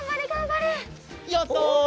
やった！